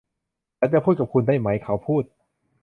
ฉันจะพูดกับคุณได้ไหม ? เขาพูด